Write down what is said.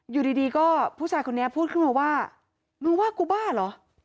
อยู่ดีก็ผู้ชายคนนี้พูดขึ้นมาว่ามึงว่ากูบ้าเหรอ